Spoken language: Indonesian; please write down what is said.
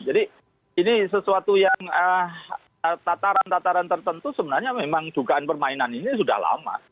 ini sesuatu yang tataran tataran tertentu sebenarnya memang dugaan permainan ini sudah lama